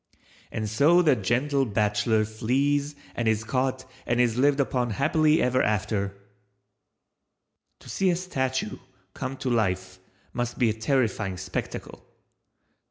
And so the gentle bachelor flees and is caught and is lived upon happily ever after⸺ To see a statue come to life must be a terrifying spectacle.